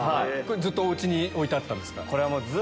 ずっとお家に置いてあったんですか？